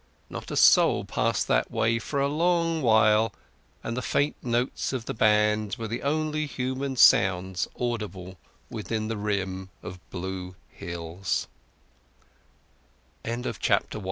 Not a soul passed that way for a long while, and the faint notes of the band were the only human sounds audible within the rim of blue